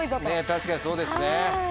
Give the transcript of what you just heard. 確かにそうですね。